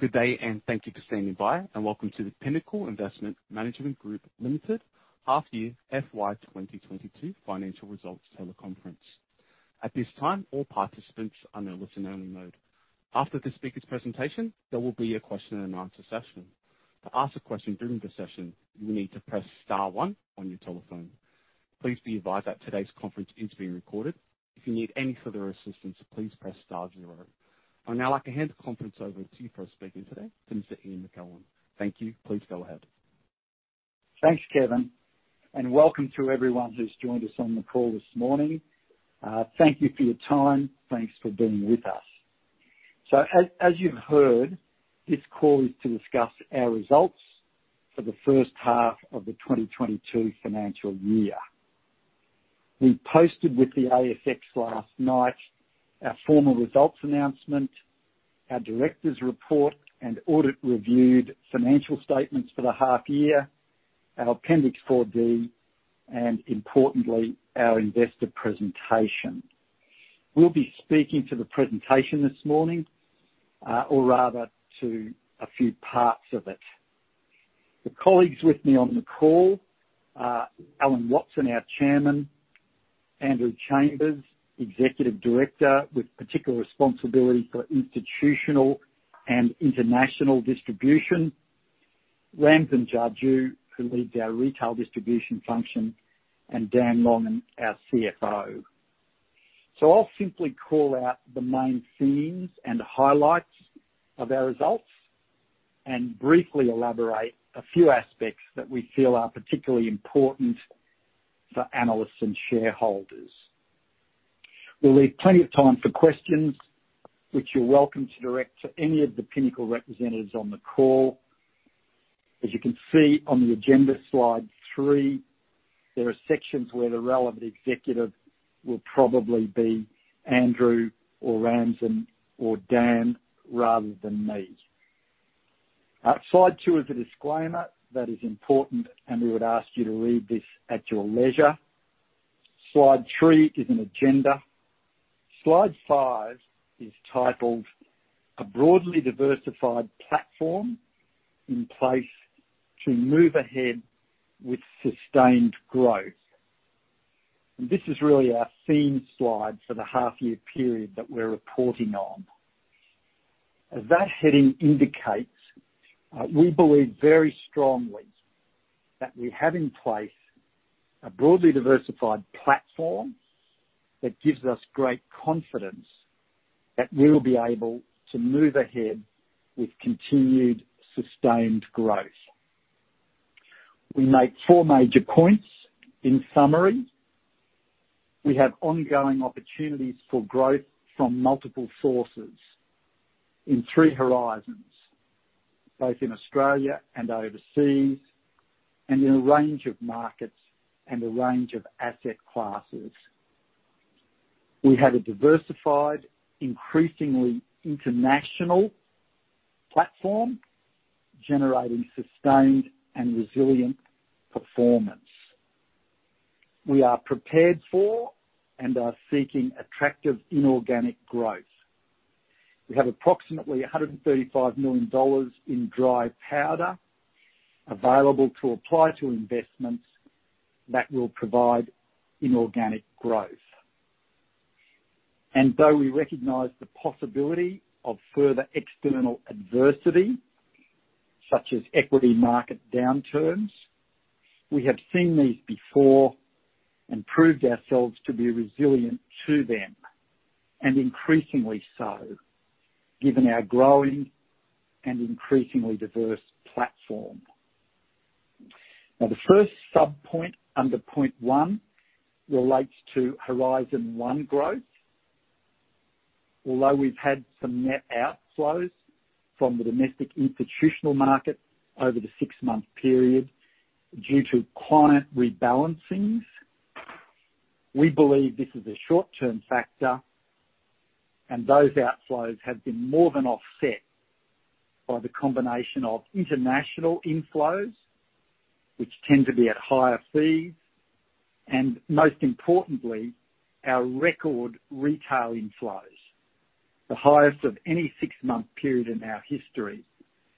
Good day, and thank you for standing by, and welcome to the Pinnacle Investment Management Group Limited half-year FY 2022 financial results teleconference. At this time, all participants are in listen-only mode. After the speaker's presentation, there will be a question and answer session. To ask a question during the session, you will need to press Star One on your telephone. Please be advised that today's conference is being recorded. If you need any further assistance, please press star zero. I'd now like to hand the conference over to you for our speaker today, to Mr. Ian Macoun. Thank you. Please go ahead. Thanks, Kevin, and welcome to everyone who's joined us on the call this morning. Thank you for your time. Thanks for being with us. As you've heard, this call is to discuss our results for the first half of the 2022 financial year. We posted with the ASX last night our formal results announcement, our directors' report and audit-reviewed financial statements for the half year, our Appendix 4B, and importantly, our investor presentation. We'll be speaking to the presentation this morning, or rather to a few parts of it. The colleagues with me on the call are Alan Watson, our Chairman, Andrew Chambers, Executive Director with particular responsibility for institutional and international distribution, Ramsin Jajoo, who leads our retail distribution function, and Dan Longan, our CFO. I'll simply call out the main themes and highlights of our results and briefly elaborate a few aspects that we feel are particularly important for analysts and shareholders. We'll leave plenty of time for questions which you're welcome to direct to any of the Pinnacle representatives on the call. As you can see on the agenda, slide three, there are sections where the relevant executive will probably be Andrew or Ramsin or Dan rather than me. Slide two is a disclaimer that is important, and we would ask you to read this at your leisure. Slide three is an agenda. Slide five is titled A Broadly Diversified Platform in Place to Move Ahead with Sustained Growth. This is really our theme slide for the half year period that we're reporting on. As that heading indicates, we believe very strongly that we have in place a broadly diversified platform that gives us great confidence that we'll be able to move ahead with continued sustained growth. We make four major points. In summary, we have ongoing opportunities for growth from multiple sources in three horizons, both in Australia and overseas, and in a range of markets and a range of asset classes. We have a diversified, increasingly international platform generating sustained and resilient performance. We are prepared for and are seeking attractive inorganic growth. We have approximately 135 million dollars in dry powder available to apply to investments that will provide inorganic growth. Though we recognize the possibility of further external adversity, such as equity market downturns, we have seen these before and proved ourselves to be resilient to them, and increasingly so, given our growing and increasingly diverse platform. Now, the first subpoint under point one relates to Horizon 1 growth. Although we've had some net outflows from the domestic institutional market over the six-month period due to client rebalancings, we believe this is a short-term factor, and those outflows have been more than offset by the combination of international inflows, which tend to be at higher fees, and most importantly, our record retail inflows, the highest of any six-month period in our history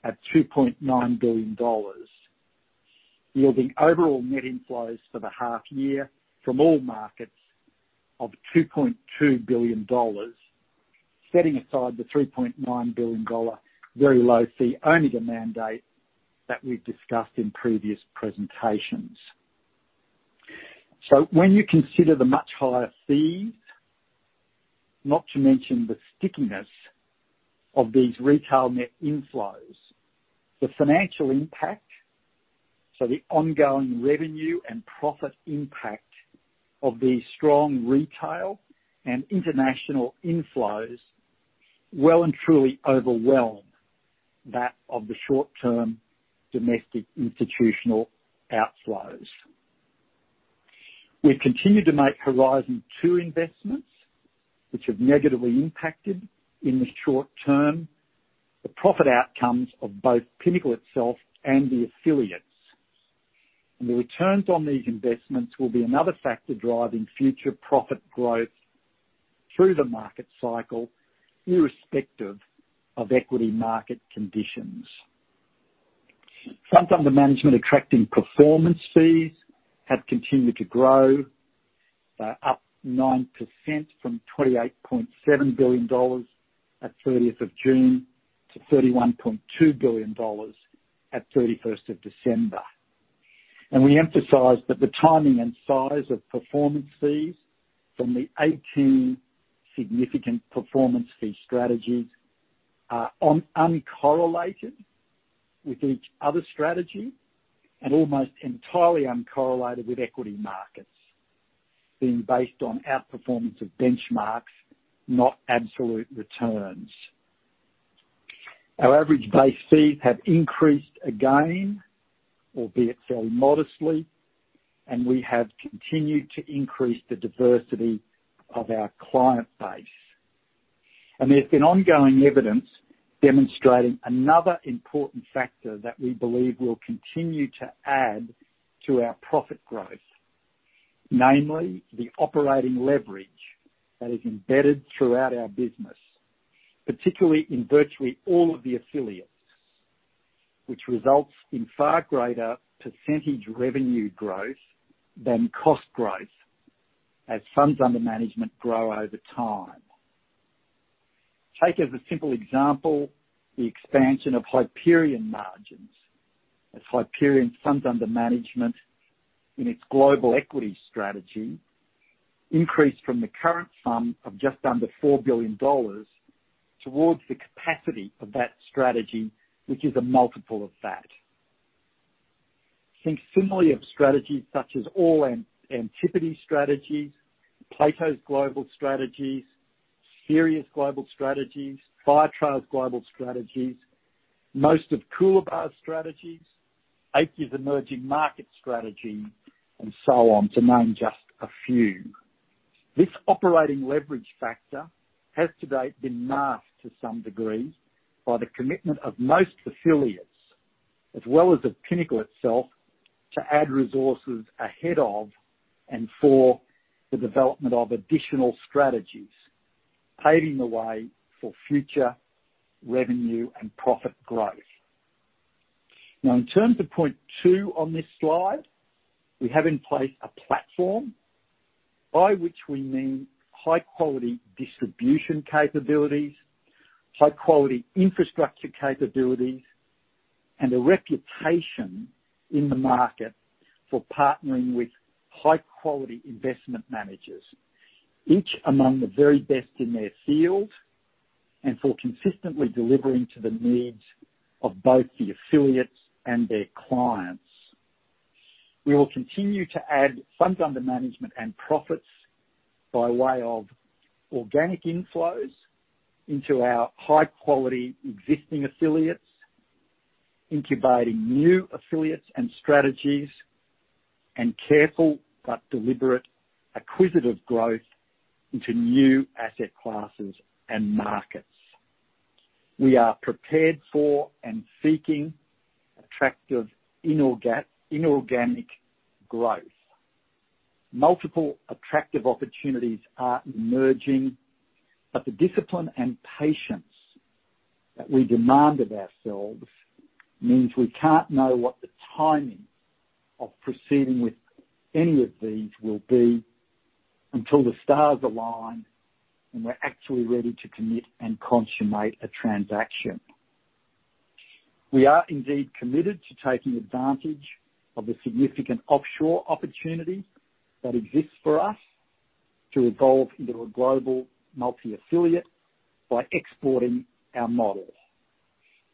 at 2.9 billion dollars, yielding overall net inflows for the half year from all markets of 2.2 billion dollars, setting aside the 3.9 billion dollar very low fee, only the mandate that we've discussed in previous presentations. When you consider the much higher fees, not to mention the stickiness of these retail net inflows, the financial impact, so the ongoing revenue and profit impact of these strong retail and international inflows well and truly overwhelm that of the short-term domestic institutional outflows. We've continued to make Horizon 2 investments which have negatively impacted, in the short-term, the profit outcomes of both Pinnacle itself and the affiliates. The returns on these investments will be another factor driving future profit growth through the market cycle, irrespective of equity market conditions. Funds under management attracting performance fees have continued to grow, they are up 9% from 28.7 billion dollars at 30th of June to 31.2 billion dollars at December 31st. We emphasize that the timing and size of performance fees from the 18 significant performance fee strategies are uncorrelated with each other strategy and almost entirely uncorrelated with equity markets being based on outperformance of benchmarks, not absolute returns. Our average base fees have increased again, albeit very modestly, and we have continued to increase the diversity of our client base. There's been ongoing evidence demonstrating another important factor that we believe will continue to add to our profit growth, namely the operating leverage that is embedded throughout our business, particularly in virtually all of the affiliates, which results in far greater percentage revenue growth than cost growth as funds under management grow over time. Take as a simple example, the expansion of Hyperion margins as Hyperion funds under management in its global equity strategy increased from the current sum of just under 4 billion dollars towards the capacity of that strategy, which is a multiple of that. Think similarly of strategies such as all Antipodes strategies, Plato's global strategies, Sirius global strategies, Firetrail's global strategies, most of Coolabah's strategies, Aikya's emerging market strategy and so on, to name just a few. This operating leverage factor has to date been masked to some degree by the commitment of most affiliates as well as of Pinnacle itself to add resources ahead of and for the development of additional strategies, paving the way for future revenue and profit growth. Now in terms of point two on this slide, we have in place a platform by which we mean high quality distribution capabilities, high quality infrastructure capabilities, and a reputation in the market for partnering with high quality investment managers, each among the very best in their field and for consistently delivering to the needs of both the affiliates and their clients. We will continue to add funds under management and profits by way of organic inflows into our high quality existing affiliates, incubating new affiliates and strategies, and careful but deliberate acquisitive growth into new asset classes and markets. We are prepared for and seeking attractive inorganic growth. Multiple attractive opportunities are emerging, but the discipline and patience that we demand of ourselves means we can't know what the timing of proceeding with any of these will be until the stars align and we're actually ready to commit and consummate a transaction. We are indeed committed to taking advantage of the significant offshore opportunity that exists for us to evolve into a global multi-affiliate by exporting our models.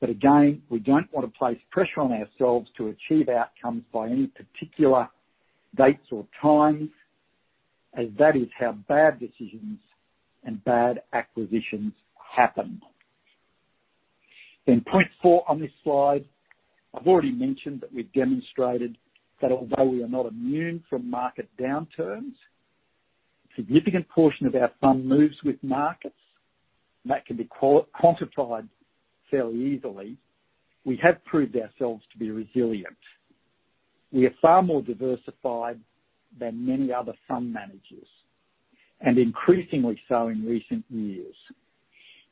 But again, we don't want to place pressure on ourselves to achieve outcomes by any particular dates or times as that is how bad decisions and bad acquisitions happen. Point four on this slide. I've already mentioned that we've demonstrated that although we are not immune from market downturns, a significant portion of our fund moves with markets and that can be quantified fairly easily. We have proved ourselves to be resilient. We are far more diversified than many other fund managers and increasingly so in recent years.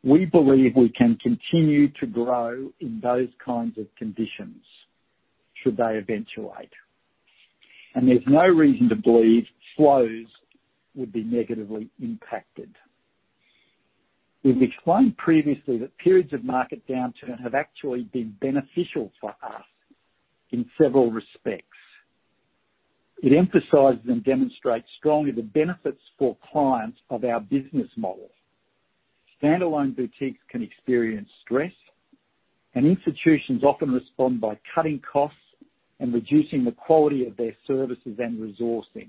We believe we can continue to grow in those kinds of conditions should they eventuate, and there's no reason to believe flows would be negatively impacted. We've explained previously that periods of market downturn have actually been beneficial for us in several respects. It emphasizes and demonstrates strongly the benefits for clients of our business model. Standalone boutiques can experience stress, and institutions often respond by cutting costs and reducing the quality of their services and resourcing.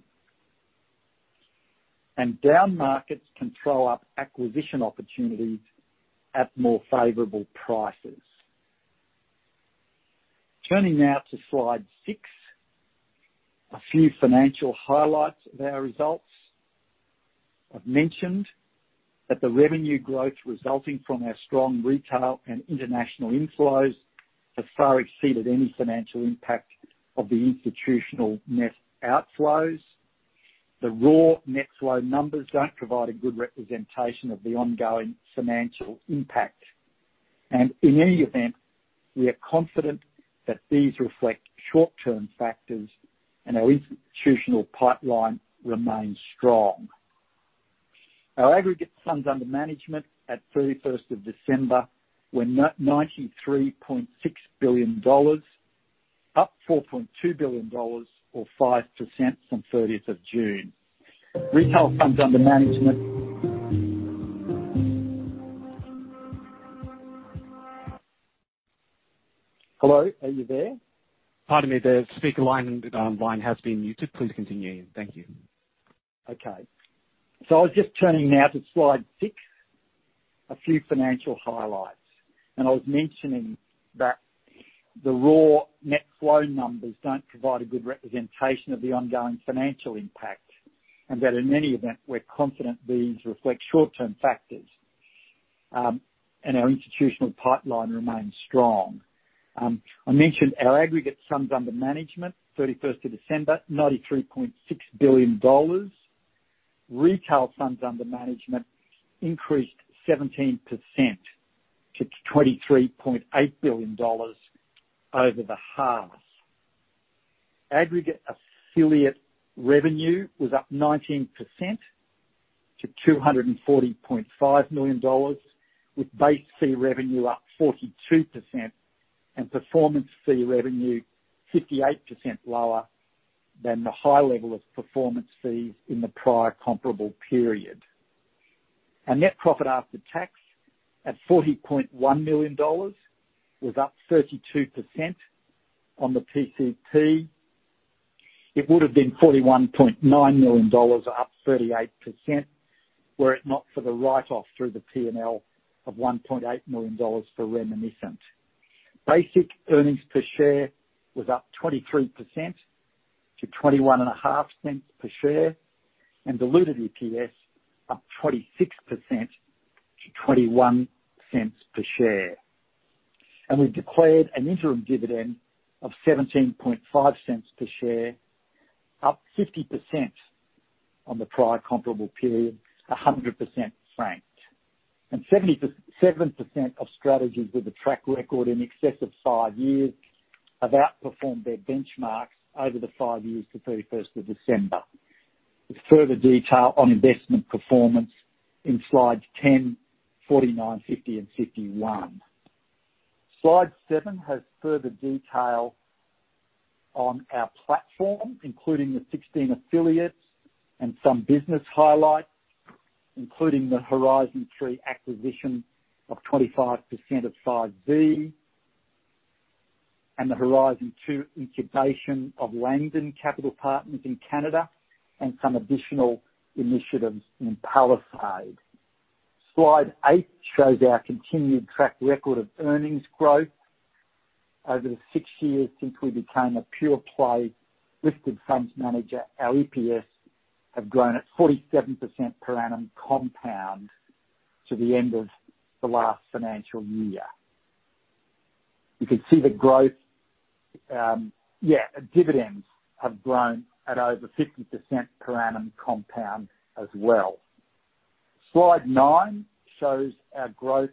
Down markets can throw up acquisition opportunities at more favorable prices. Turning now to Slide six, a few financial highlights of our results. I've mentioned that the revenue growth resulting from our strong retail and international inflows have far exceeded any financial impact of the institutional net outflows. The raw net flow numbers don't provide a good representation of the ongoing financial impact. In any event, we are confident that these reflect short-term factors and our institutional pipeline remains strong. Our aggregate funds under management at December 31st were 93.6 billion dollars, up 4.2 billion dollars or 5% from June 30th. Retail funds under management. Hello, are you there? Pardon me, the speaker's line has been muted. Please continue, Ian. Thank you. Okay, I was just turning now to slide six, a few financial highlights, and I was mentioning that the raw net flow numbers don't provide a good representation of the ongoing financial impact and that in any event, we're confident these reflect short-term factors, and our institutional pipeline remains strong. I mentioned our aggregate funds under management, December 31st, 93.6 billion dollars. Retail funds under management increased 17% to 23.8 billion dollars over the half. Aggregate affiliate revenue was up 19% to 240.5 million dollars, with base fee revenue up 42% and performance fee revenue 58% lower than the high level of performance fees in the prior comparable period. Our net profit after tax at 40.1 million dollars was up 32% on the PCP. It would have been AUD 41.9 million up 38% were it not for the write-off through the P&L of AUD 1.8 million for Reminiscent. Basic earnings per share was up 23% to 0.215 per share, and diluted EPS up 26% to 0.21 per share. We've declared an interim dividend of 0.175 per share, up 50% on the prior comparable period, 100% franked. Seventy-seven percent of strategies with a track record in excess of five years have outperformed their benchmarks over the five years to December 31st, with further detail on investment performance in slides 10, 49, 50, and 51. Slide seven has further detail on our platform, including the 16 affiliates and some business highlights, including the Horizon 3 acquisition of 25% of 5V and the Horizon 2 incubation of Langdon Equity Partners in Canada and some additional initiatives in Palisade. Slide 8 shows our continued track record of earnings growth. Over the six years since we became a pure play listed funds manager, our EPS have grown at 47% per annum compound to the end of the last financial year. You can see the growth, dividends have grown at over 50% per annum compound as well. Slide nine shows our growth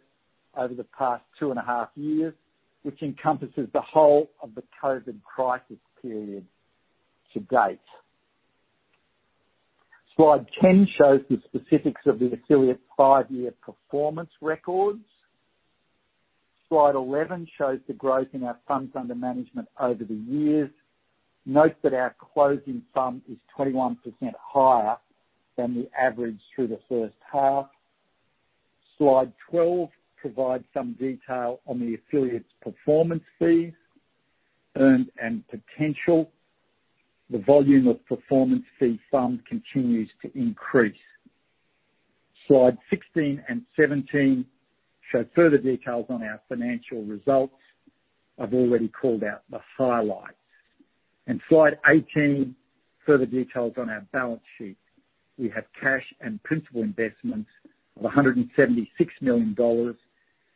over the past two and a half years, which encompasses the whole of the COVID crisis period to date. Slide 10 shows the specifics of the affiliate five-year performance records. Slide 11 shows the growth in our funds under management over the years. Note that our closing sum is 21% higher than the average through the first half. Slide 12 provides some detail on the affiliate's performance fees, earned and potential. The volume of performance fee funds continues to increase. Slides 16 and 17 show further details on our financial results. I've already called out the highlights. Slide 18, further details on our balance sheet. We have cash and principal investments of 176 million dollars,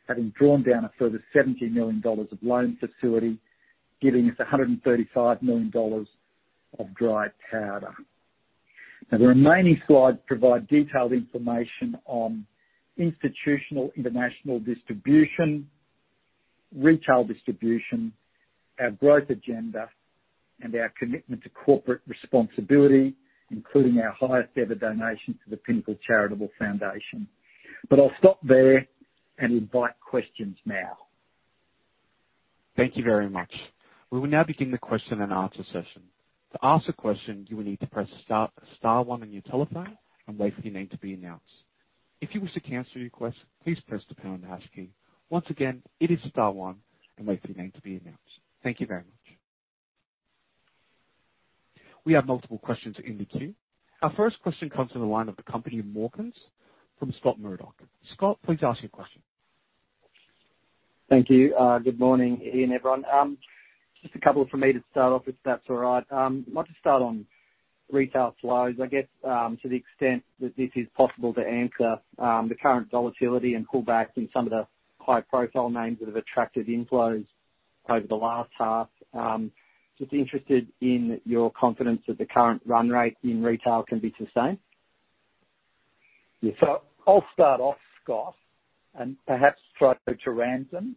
having drawn down a further 70 million dollars of loan facility, giving us 135 million dollars of dry powder. Now the remaining slides provide detailed information on institutional international distribution, retail distribution, our growth agenda, and our commitment to corporate responsibility, including our highest ever donation to the PNI Foundation. I'll stop there and invite questions now. Thank you very much. We will now begin the question and answer session. To ask a question, you will need to press Star-Star One on your telephone and wait for your name to be announced. If you wish to cancel your request, please press the Pound Hash key. Once again, it is Star One and wait for your name to be announced. Thank you very much. We have multiple questions in the queue. Our first question comes from the line of the company, Morgans, from Scott Murdoch. Scott, please ask your question. Thank you. Good morning, Ian, everyone. Just a couple from me to start off, if that's all right. I want to start on retail flows, I guess, to the extent that this is possible to answer, the current volatility and pullbacks in some of the high-profile names that have attracted inflows over the last half. I'm just interested in your confidence that the current run rate in retail can be sustained. I'll start off, Scott, and perhaps throw to Ramsin.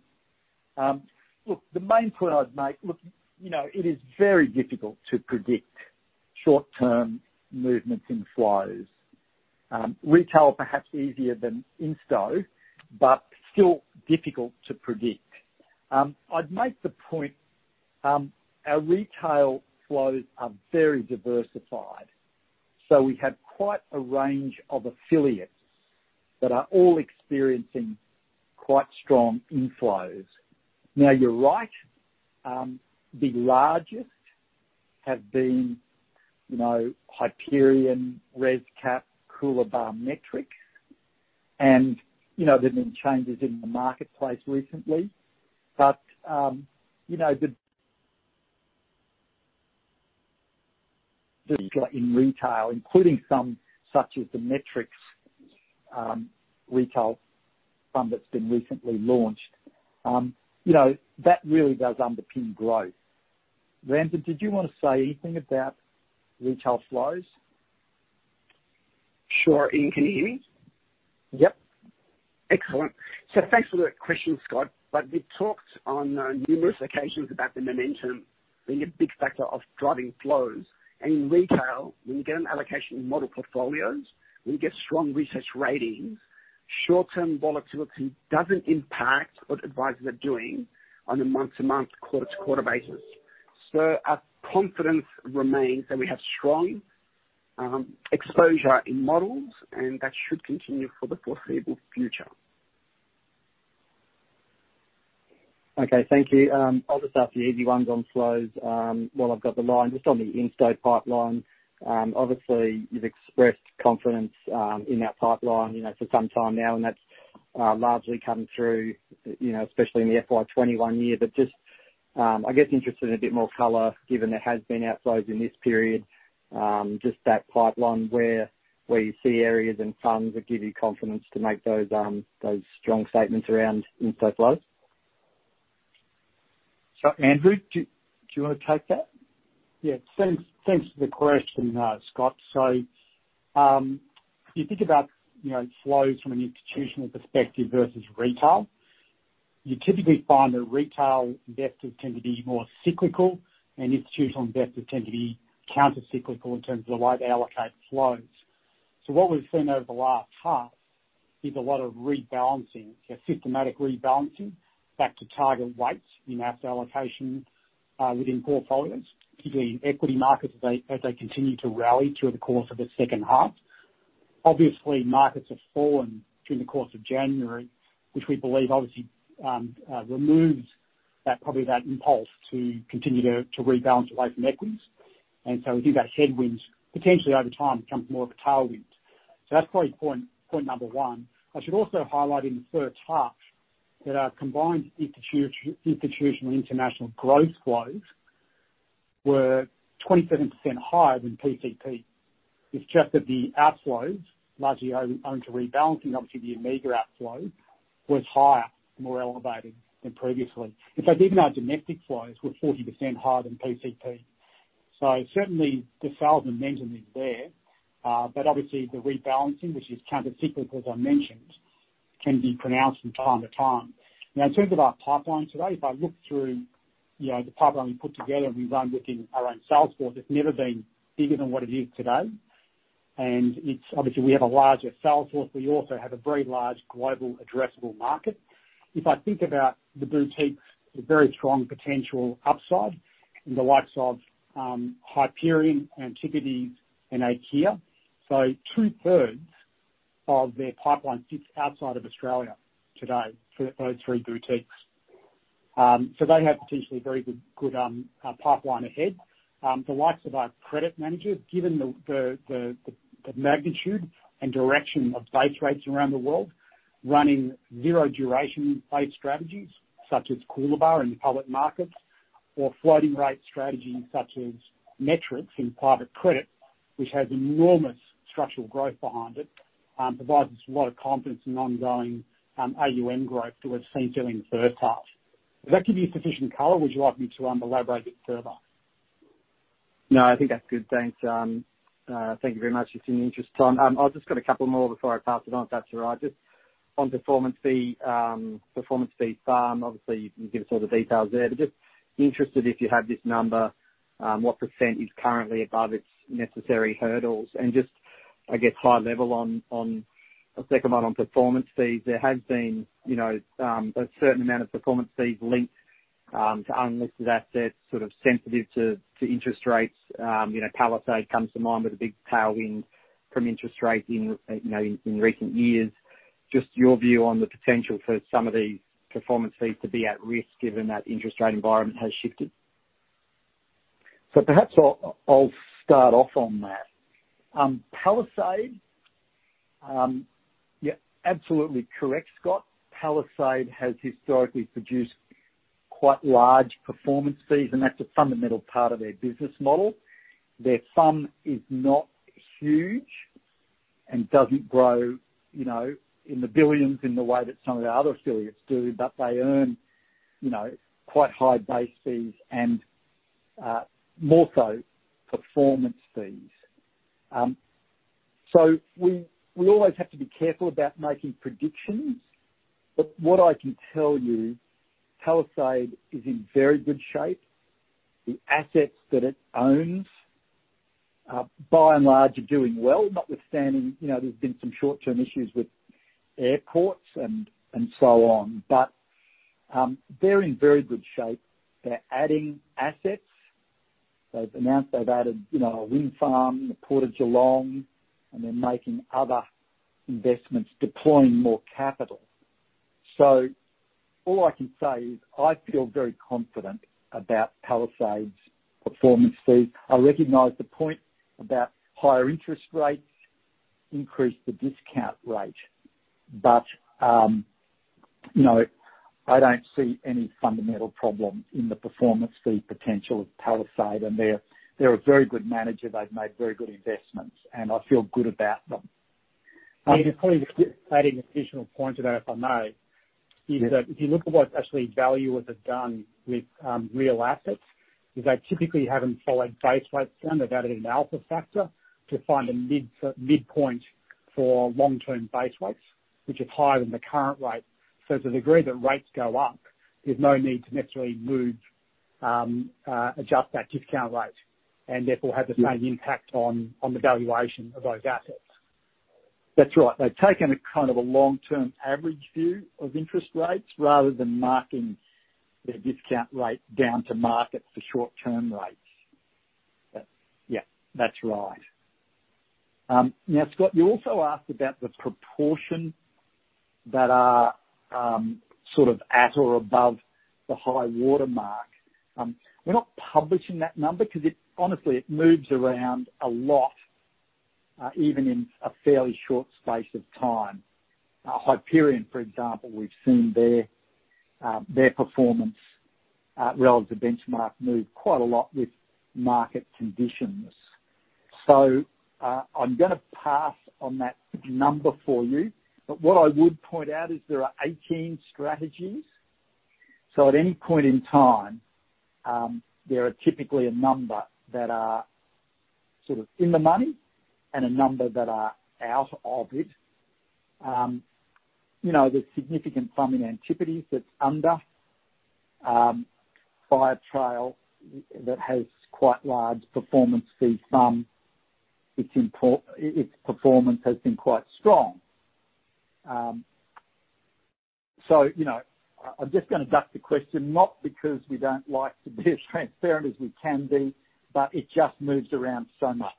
You know, it is very difficult to predict short-term movements in flows, retail perhaps easier than insto, but still difficult to predict. I'd make the point, our retail flows are very diversified, so we have quite a range of affiliates that are all experiencing quite strong inflows. Now, you're right, the largest have been, you know, Hyperion, ResCap, Coolabah, Metrics, and, you know, there have been changes in the marketplace recently. You know, then in retail, including some, such as the Metrics retail fund that's been recently launched, you know, that really does underpin growth. Ramsin, did you want to say anything about retail flows? Sure. Ian, can you hear me? Yep. Excellent. Thanks for that question, Scott. We've talked on numerous occasions about the momentum being a big factor of driving flows. In retail, when you get an allocation in model portfolios, when you get strong research ratings, short-term volatility doesn't impact what advisors are doing on a month-to-month, quarter-to-quarter basis. Our confidence remains that we have strong exposure in models, and that should continue for the foreseeable future. Okay. Thank you. I'll just ask the easy ones on flows while I've got the line. Just on the insto pipeline, obviously you've expressed confidence in that pipeline, you know, for some time now, and that's largely come through, you know, especially in the FY 2021 year. Just, I guess interested in a bit more color, given there has been outflows in this period, just that pipeline where you see areas and funds that give you confidence to make those strong statements around insto flows. Andrew, do you wanna take that? Yeah. Thanks for the question, Scott. If you think about, you know, flows from an institutional perspective versus retail, you typically find that retail investors tend to be more cyclical and institutional investors tend to be countercyclical in terms of the way they allocate flows. What we've seen over the last half is a lot of rebalancing, a systematic rebalancing back to target weights in asset allocation within portfolios, particularly in equity markets as they continue to rally through the course of the second half. Markets have fallen through the course of January, which we believe removes that, probably that impulse to continue to rebalance away from equities. We think our headwinds potentially over time become more of a tailwind. That's probably point number one. I should also highlight in the first half that our combined institutional international growth flows were 27% higher than PCP. It's just that the outflows, largely owing to rebalancing, obviously the Omega outflow, was higher, more elevated than previously. In fact, even our domestic flows were 40% higher than PCP. Certainly the sales momentum is there. But obviously the rebalancing, which is countercyclical, as I mentioned, can be pronounced from time to time. Now in terms of our pipeline today, if I look through the pipeline we put together and we run within our own sales force, it's never been bigger than what it is today. It's obviously we have a larger sales force. We also have a very large global addressable market. If I think about the boutiques, a very strong potential upside in the likes of Hyperion, Antipodes and Aikya. Two-thirds of their pipeline sits outside of Australia today for those three boutiques. They have potentially a very good pipeline ahead. The likes of our credit managers, given the magnitude and direction of base rates around the world, running zero duration base strategies such as Coolabah in public markets or floating rate strategies such as Metrics in private credit, which has enormous structural growth behind it, provides us a lot of confidence in ongoing AUM growth to what we've seen during the first half. Does that give you sufficient color or would you like me to elaborate it further? No, I think that's good. Thanks, thank you very much. It's been an interesting time. I've just got a couple more before I pass it on, if that's all right. Just on performance fees, obviously you can give us all the details there, but just interested if you have this number, what % is currently above its necessary hurdles? And just I guess high level on a second one on performance fees. There has been, you know, a certain amount of performance fees linked to unlisted assets, sort of sensitive to interest rates. You know, Palisade comes to mind with a big tailwind from interest rates in recent years. Just your view on the potential for some of these performance fees to be at risk given that interest rate environment has shifted. Perhaps I'll start off on that. Palisade, you're absolutely correct, Scott. Palisade has historically produced quite large performance fees, and that's a fundamental part of their business model. Their FUM is not huge and doesn't grow, you know, in the billions in the way that some of the other affiliates do, but they earn, you know, quite high base fees and more so performance fees. We always have to be careful about making predictions, but what I can tell you, Palisade is in very good shape. The assets that it owns, by and large, are doing well, notwithstanding, you know, there's been some short-term issues with airports and so on. They're in very good shape. They're adding assets. They've announced they've added, you know, a wind farm, the Port of Geelong, and they're making other investments, deploying more capital. All I can say is I feel very confident about Palisade's performance fee. I recognize the point about higher interest rates increase the discount rate, but, you know, I don't see any fundamental problem in the performance fee potential of Palisade. They're a very good manager. They've made very good investments, and I feel good about them. Probably just adding additional points about it, if I may. Yeah. Is that if you look at what actually valuers have done with real assets, is they typically haven't followed base rates down. They've added an alpha factor to find a midpoint for long-term base rates, which is higher than the current rate. To the degree that rates go up, there's no need to necessarily move, adjust that discount rate and therefore have the same impact on the valuation of those assets. That's right. They've taken a kind of a long-term average view of interest rates rather than marking their discount rate down to market for short-term rates. Yeah, that's right. Now, Scott, you also asked about the proportion that are sort of at or above the high watermark. We're not publishing that number 'cause it honestly, it moves around a lot, even in a fairly short space of time. Hyperion, for example, we've seen their performance relative to benchmark move quite a lot with market conditions. So, I'm gonna pass on that number for you. But what I would point out is there are 18 strategies, so at any point in time, there are typically a number that are sort of in the money and a number that are out of it. You know, there's significant sum in Antipodes that's under Firetrail that has quite large performance fee sum. Its performance has been quite strong. You know, I'm just gonna duck the question, not because we don't like to be as transparent as we can be, but it just moves around so much.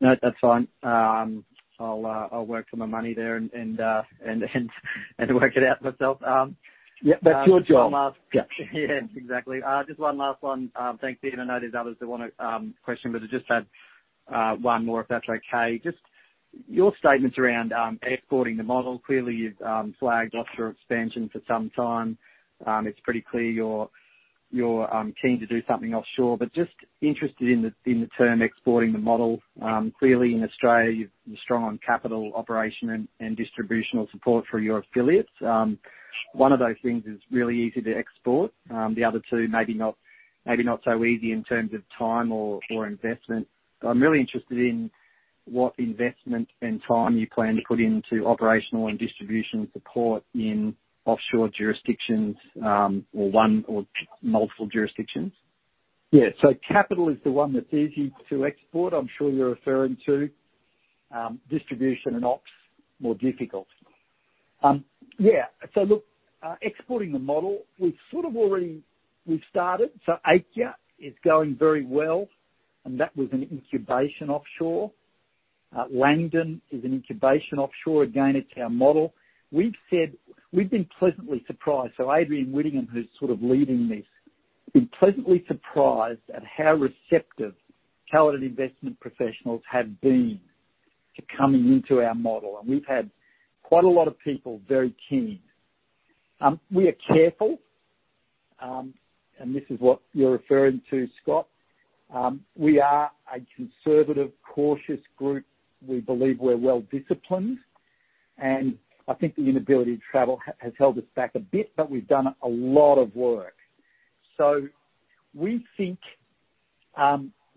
No, that's fine. I'll work for my money there and work it out myself. Yeah, that's your job. One last- Yeah. Yeah, exactly. Just one last one. Thanks, Ian. I know there's others that wanna question, but I just had one more, if that's okay. Just your statements around exporting the model. Clearly, you've flagged offshore expansion for some time. It's pretty clear you're keen to do something offshore, but just interested in the term exporting the model. Clearly in Australia you're strong on capital allocation and distribution support for your affiliates. One of those things is really easy to export, the other two, maybe not, maybe not so easy in terms of time or investment. I'm really interested in what investment and time you plan to put into operational and distribution support in offshore jurisdictions, or one or multiple jurisdictions. Yeah. Capital is the one that's easy to export. I'm sure you're referring to distribution and ops, more difficult. Yeah. Look, exporting the model we've sort of started. Aikya is going very well, and that was an incubation offshore. Langdon is an incubation offshore. Again, it's our model. We've said we've been pleasantly surprised. Adrian Whittingham, who's sort of leading this, has been pleasantly surprised at how receptive talented investment professionals have been to coming into our model. We've had quite a lot of people very keen. We are careful, and this is what you're referring to, Scott. We are a conservative, cautious group. We believe we're well-disciplined, and I think the inability to travel has held us back a bit, but we've done a lot of work. We think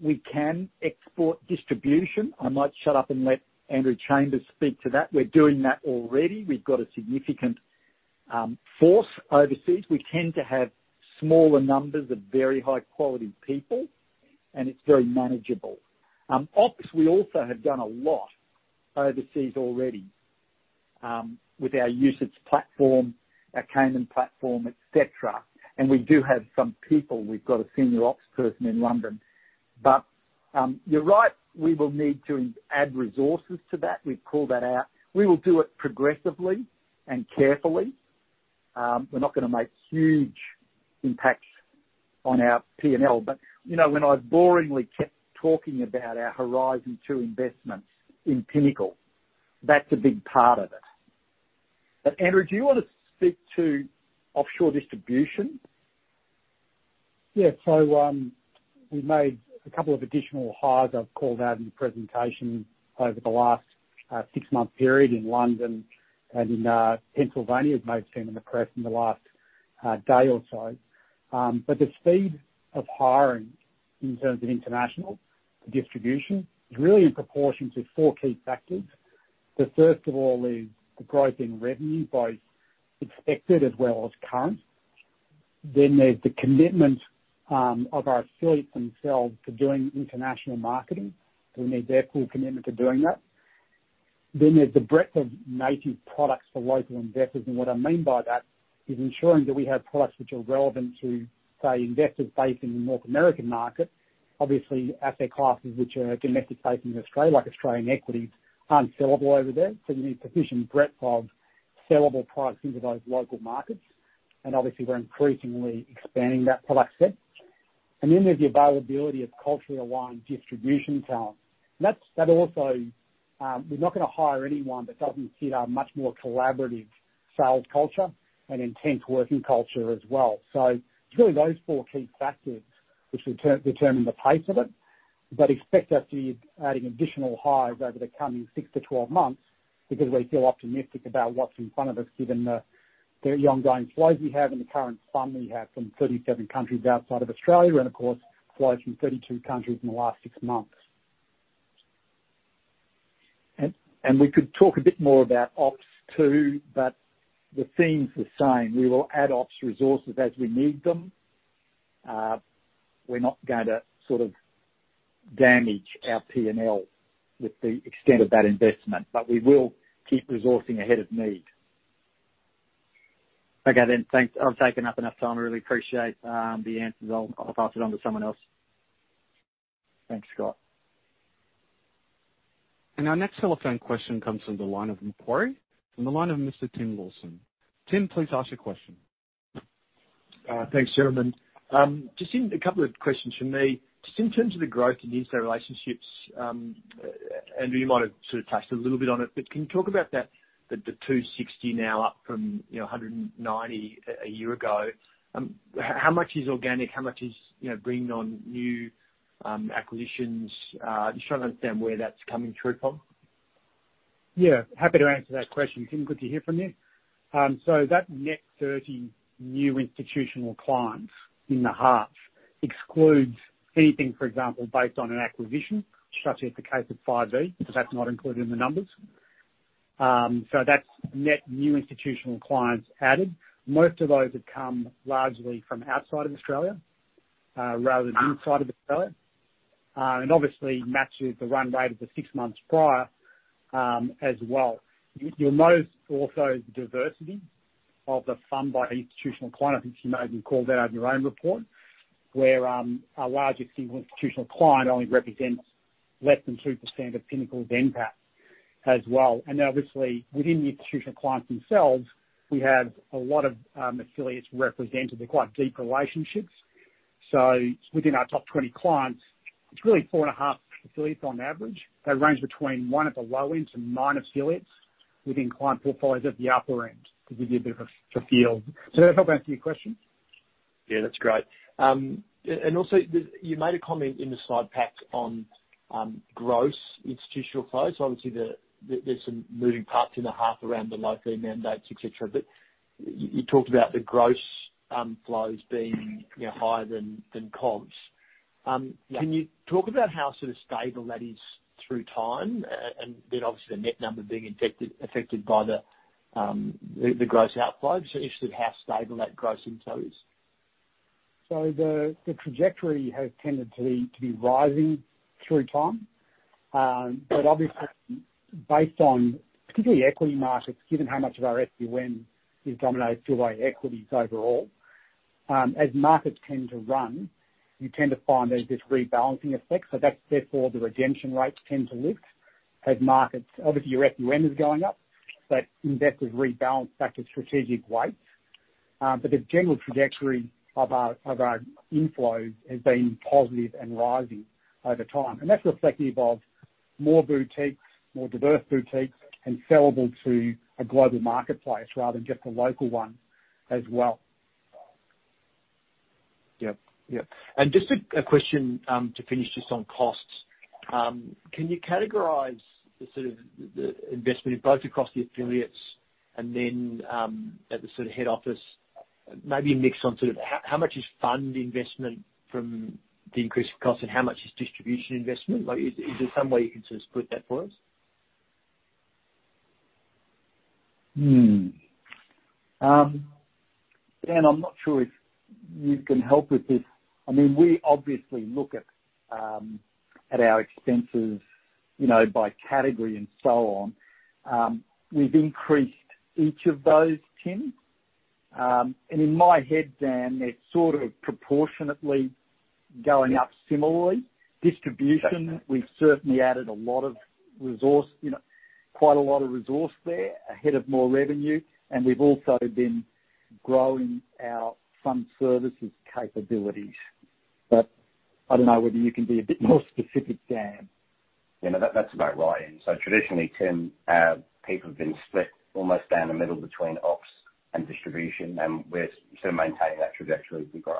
we can export distribution. I might shut up and let Andrew Chambers speak to that. We're doing that already. We've got a significant force overseas. We tend to have smaller numbers of very high-quality people, and it's very manageable. Ops, we also have done a lot overseas already with our UCITS platform, our Cayman platform, et cetera. We do have some people. We've got a senior ops person in London. You're right, we will need to add resources to that. We've called that out. We will do it progressively and carefully. We're not gonna make huge impacts on our P&L. You know, when I boringly kept talking about our Horizon 2 investments in Pinnacle, that's a big part of it. Andrew, do you wanna speak to offshore distribution? Yeah. We made a couple of additional hires I've called out in the presentation over the last six-month period in London and in Pennsylvania. You may have seen in the press in the last day or so. The speed of hiring in terms of international distribution is really in proportion to four key factors. The first of all is the growth in revenue, both expected as well as current. There's the commitment of our affiliates themselves to doing international marketing. We need their full commitment to doing that. There's the breadth of native products for local investors. What I mean by that is ensuring that we have products which are relevant to, say, investors based in the North American market. Obviously, asset classes which are domestic based in Australia, like Australian equities, aren't sellable over there, so you need sufficient breadth of sellable products into those local markets. Obviously we're increasingly expanding that product set. There's the availability of culturally aligned distribution talent. That's also, we're not gonna hire anyone that doesn't fit our much more collaborative sales culture and intense working culture as well. It's really those four key factors which will determine the pace of it, but expect us to be adding additional hires over the coming six to 12 months because we feel optimistic about what's in front of us, given the ongoing flows we have and the current fund we have from 37 countries outside of Australia, and of course, flows from 32 countries in the last six months. We could talk a bit more about ops too, but the theme's the same. We will add ops resources as we need them. We're not gonna sort of damage our P&L with the extent of that investment, but we will keep resourcing ahead of need. Okay then. Thanks. I've taken up enough time. I really appreciate the answers. I'll pass it on to someone else. Thanks, Scott. Our next telephone question comes from the line of Macquarie, Mr. Tim Lawson. Tim, please ask your question. Thanks, gentlemen. Just a couple of questions from me. Just in terms of the growth in insto relationships, Andrew, you might have sort of touched a little bit on it, but can you talk about that, the 260 now up from, you know, 190 a year ago? How much is organic? How much is, you know, bringing on new acquisitions? Just trying to understand where that's coming through from. Yeah, happy to answer that question, Tim. Good to hear from you. That net 30 new institutional clients in the half excludes anything, for example, based on an acquisition, such as the case with Five V Capital, because that's not included in the numbers. That's net new institutional clients added. Most of those have come largely from outside of Australia, rather than inside of Australia. Obviously matches the run rate of the six months prior, as well. You'll note also the diversity of the fund by institutional client. I think you may even called out in your own report, where our largest single institutional client only represents less than 2% of Pinnacle's NPAT as well. Obviously, within the institutional clients themselves, we have a lot of affiliates represented. They're quite deep relationships. Within our top 20 clients, it's really four and a half affiliates on average. They range between one at the low end to nine affiliates within client portfolios at the upper end, to give you a bit of a feel. Does that help answer your question? Yeah, that's great. Also, you made a comment in the slide pack on gross institutional flows. Obviously, there's some moving parts in the half around the low fee mandates, et cetera, but you talked about the gross flows being, you know, higher than costs. Yeah. Can you talk about how sort of stable that is through time and then obviously the net number being affected by the gross outflows, so interested how stable that gross inflow is? The trajectory has tended to be rising through time. But obviously based particularly on equity markets, given how much of our FUM is dominated still by equities overall, as markets tend to run, you tend to find there's this rebalancing effect. That's therefore the redemption rates tend to lift as markets. Obviously, your FUM is going up, but investors rebalance back to strategic weights. But the general trajectory of our inflows has been positive and rising over time. That's reflective of more boutiques, more diverse boutiques, and sellable to a global marketplace rather than just a local one as well. Yep. Just a question to finish just on costs. Can you categorize the sort of the investment in both across the affiliates and then at the sort of head office, maybe mix on sort of how much is fund investment from the increase in cost and how much is distribution investment? Like, is there some way you can sort of split that for us? Dan, I'm not sure if you can help with this. I mean, we obviously look at our expenses, you know, by category and so on. We've increased each of those, Tim. In my head, Dan, they're sort of proportionately Going up similarly. Distribution, we've certainly added a lot of resource, you know, quite a lot of resource there ahead of more revenue, and we've also been growing our fund services capabilities. I don't know whether you can be a bit more specific, Dan. Yeah, no, that's about right. Traditionally, Tim, our people have been split almost down the middle between ops and distribution, and we're sort of maintaining that trajectory as we grow.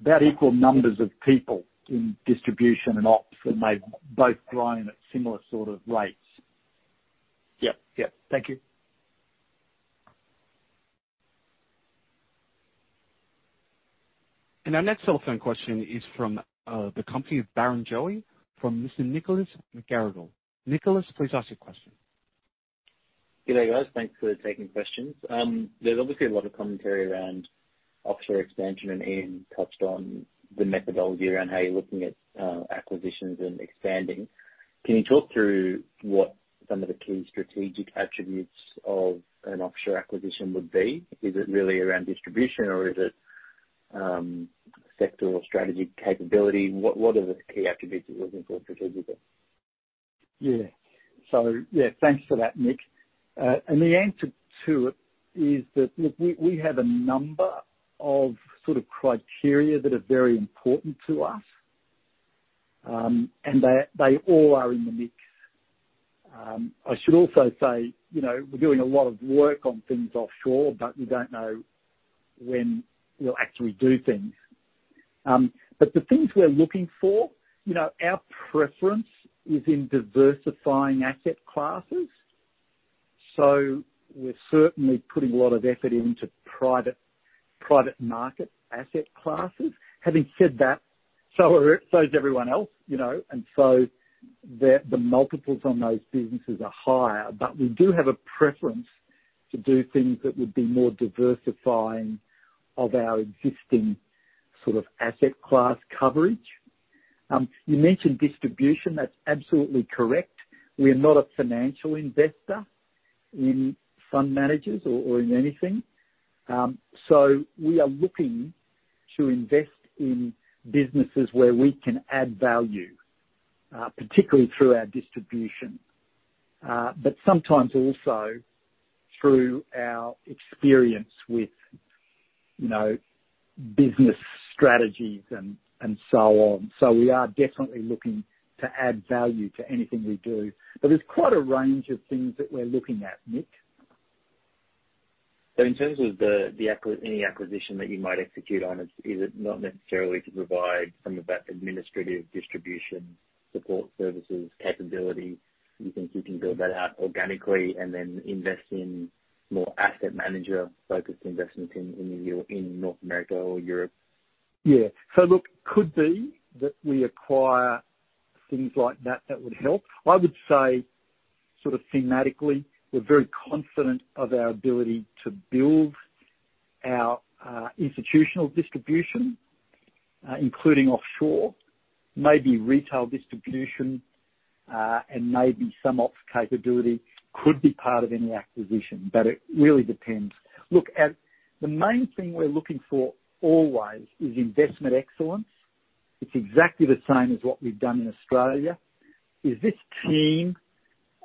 About equal numbers of people in distribution and ops, and they've both grown at similar sort of rates. Yep. Yep. Thank you. Our next telephone question is from the company of Barrenjoey, from Mr. Nicholas McGarrigle. Nicholas, please ask your question. Goodday, guys. Thanks for taking questions. There's obviously a lot of commentary around offshore expansion, and Ian touched on the methodology around how you're looking at acquisitions and expanding. Can you talk through what some of the key strategic attributes of an offshore acquisition would be? Is it really around distribution, or is it sector or strategy capability? What are the key attributes you're looking for strategically? Yeah, thanks for that, Nick. The answer to it is that, look, we have a number of sort of criteria that are very important to us, and they all are in the mix. I should also say, you know, we're doing a lot of work on things offshore, but we don't know when we'll actually do things. The things we're looking for, you know, our preference is in diversifying asset classes, so we're certainly putting a lot of effort into private market asset classes. Having said that, so is everyone else, you know? The multiples on those businesses are higher. We do have a preference to do things that would be more diversifying of our existing sort of asset class coverage. You mentioned distribution. That's absolutely correct. We are not a financial investor in fund managers or in anything. We are looking to invest in businesses where we can add value, particularly through our distribution, but sometimes also through our experience with, you know, business strategies and so on. We are definitely looking to add value to anything we do. There's quite a range of things that we're looking at, Nick. In terms of any acquisition that you might execute on, is it not necessarily to provide some of that administrative distribution, support services capability? You think you can build that out organically and then invest in more asset manager-focused investments in North America or Europe? Yeah. Look, could be that we acquire things like that would help. I would say, sort of thematically, we're very confident of our ability to build our institutional distribution, including offshore, maybe retail distribution, and maybe some ops capability could be part of any acquisition, but it really depends. Look, the main thing we're looking for always is investment excellence. It's exactly the same as what we've done in Australia. Is this team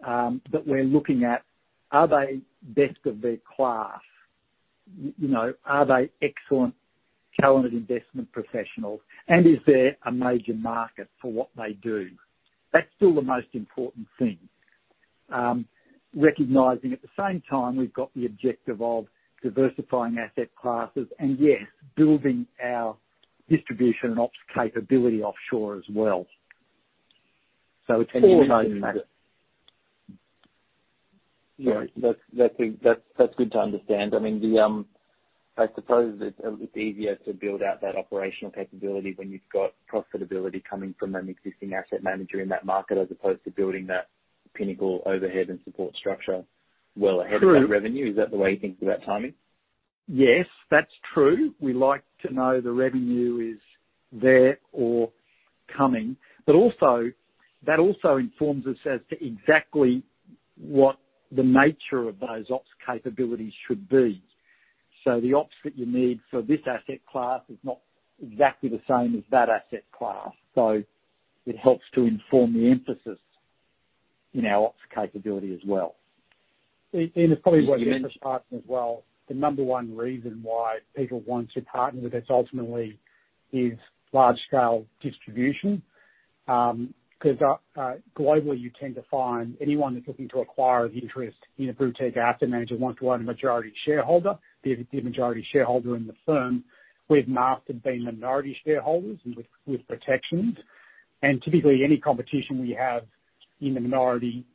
that we're looking at, are they best of their class? You know, are they excellent, talented investment professionals, and is there a major market for what they do? That's still the most important thing. Recognizing at the same time we've got the objective of diversifying asset classes and, yes, building our distribution and ops capability offshore as well. It's all in that. Yeah. That's good to understand. I mean, I suppose it's easier to build out that operational capability when you've got profitability coming from an existing asset manager in that market, as opposed to building that Pinnacle overhead and support structure well ahead. True. of that revenue. Is that the way you think about timing? Yes, that's true. We like to know the revenue is there or coming. Also, that also informs us as to exactly what the nature of those ops capabilities should be. The ops that you need for this asset class is not exactly the same as that asset class. It helps to inform the emphasis in our ops capability as well. Ian, it's probably worth interjecting as well. The number one reason why people want to partner with us ultimately is large scale distribution. 'Cause globally, you tend to find anyone that's looking to acquire the interest in a boutique asset manager wants to own a majority shareholder, the majority shareholder in the firm. We've mastered being minority shareholders and with protections, and typically any competition we have in the minority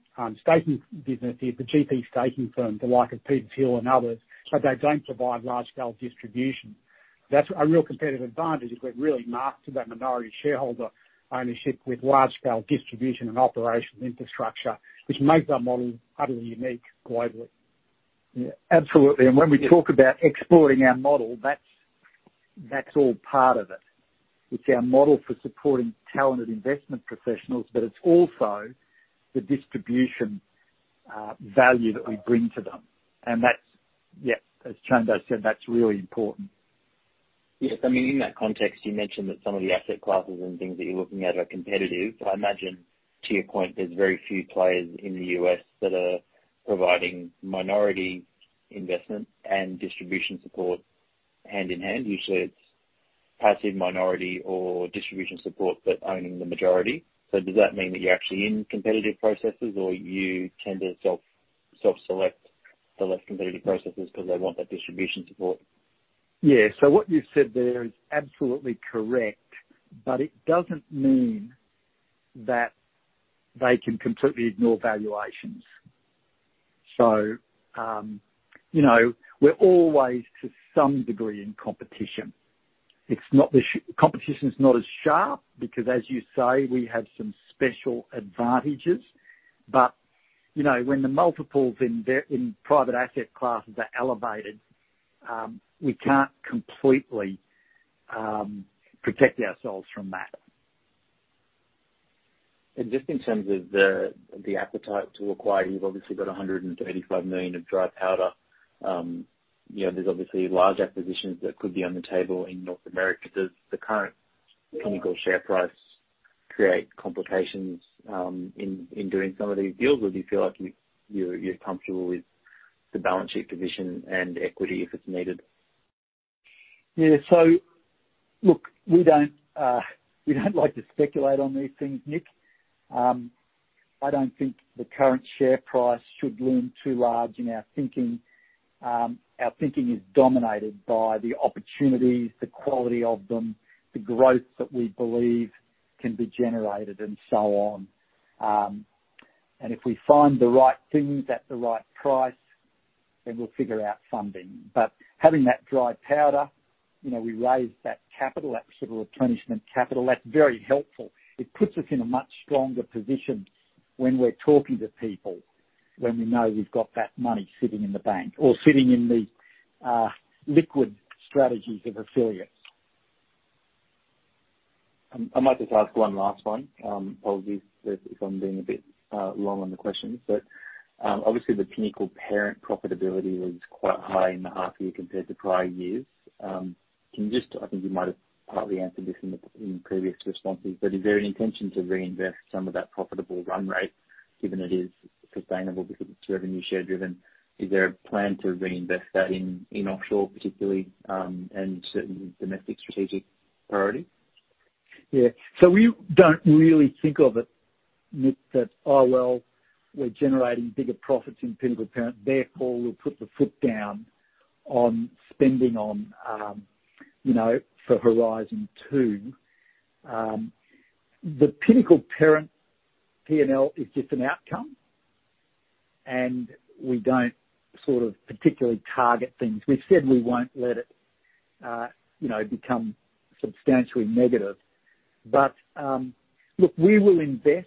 staking business is the GP staking firms, like Petershill Partners and others, but they don't provide large scale distribution. That's a real competitive advantage is we're really marked to that minority shareholder ownership with large scale distribution and operational infrastructure, which makes our model utterly unique globally. Yeah. Absolutely. When we talk about exploring our model, that's all part of it. It's our model for supporting talented investment professionals, but it's also the distribution value that we bring to them. That's, yeah, as Chambers said, that's really important. Yes. I mean, in that context, you mentioned that some of the asset classes and things that you're looking at are competitive. I imagine to your point, there's very few players in the U.S. that are providing minority investment and distribution support hand-in-hand. Usually it's passive minority or distribution support, but owning the majority. Does that mean that you're actually in competitive processes or you tend to self-select the less competitive processes because they want that distribution support? Yeah. What you've said there is absolutely correct, but it doesn't mean that they can completely ignore valuations. You know, we're always to some degree in competition. Competition's not as sharp because as you say, we have some special advantages. You know, when the multiples in private asset classes are elevated, we can't completely protect ourselves from that. Just in terms of the appetite to acquire, you've obviously got 135 million of dry powder. You know, there's obviously large acquisitions that could be on the table in North America. Does the current Pinnacle share price create complications in doing some of these deals? Or do you feel like you're comfortable with the balance sheet position and equity if it's needed? Yeah. Look, we don't like to speculate on these things, Nick. I don't think the current share price should loom too large in our thinking. Our thinking is dominated by the opportunities, the quality of them, the growth that we believe can be generated and so on. If we find the right things at the right price then we'll figure out funding. Having that dry powder, you know, we raised that capital, that sort of replenishment capital, that's very helpful. It puts us in a much stronger position when we're talking to people, when we know we've got that money sitting in the bank or sitting in the liquid strategies of affiliates. I might just ask one last one, apologies if I'm being a bit long on the questions. Obviously the Pinnacle Parent profitability was quite high in the half year compared to prior years. Can you just I think you might have partly answered this in the previous responses, but is there an intention to reinvest some of that profitable run rate given it is sustainable because it's revenue share driven? Is there a plan to reinvest that in offshore particularly, and certainly domestic strategic priority? Yeah. We don't really think of it, Nick, that, oh, well, we're generating bigger profits in Pinnacle Parent, therefore we'll put the foot down on spending on, you know, for Horizon 2. The Pinnacle Parent P&L is just an outcome, and we don't sort of particularly target things. We've said we won't let it, you know, become substantially negative. Look, we will invest